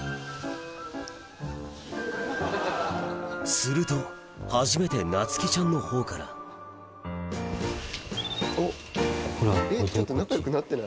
すると初めてなつきちゃんのほうからほらおいでこっち。